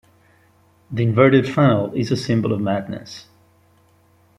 The inverted funnel is a symbol of madness.